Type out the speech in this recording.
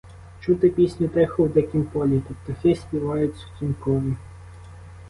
Чути пісню тихо в Дикім полі – То птахи співають сутінкові